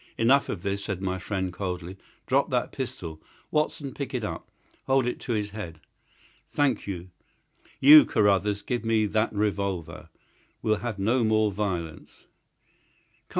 "Enough of this," said my friend, coldly. "Drop that pistol! Watson, pick it up! Hold it to his head! Thank you. You, Carruthers, give me that revolver. We'll have no more violence.